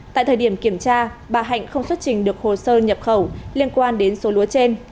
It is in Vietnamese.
tại thời điểm kiểm tra bà hạnh không xuất trình được hồ sơ nhập khẩu liên quan đến số lúa trên